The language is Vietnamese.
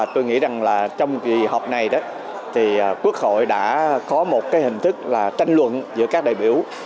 tôi nghĩ trong kỳ họp này quốc hội đã có một hình thức tranh luận giữa các đại biểu